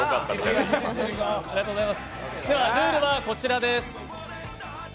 ルールはこちらです。